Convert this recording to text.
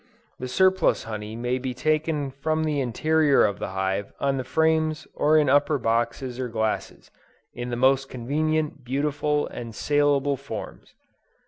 The surplus honey may be taken from the interior of the hive on the frames or in upper boxes or glasses, in the most convenient, beautiful and saleable forms.